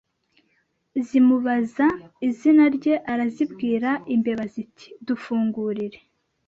zimubaza izina rye arazibwira Imbeba ziti Dufungurire!